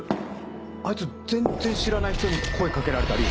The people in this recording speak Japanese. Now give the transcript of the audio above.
あいつ全然知らない人に声掛けられたり。